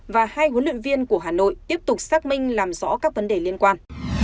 và hai huấn luyện viên của hà nội tiếp tục xác minh làm rõ các vấn đề liên quan